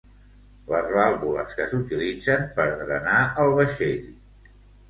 Les vàlvules que s'utilitzen per drenar el vaixell.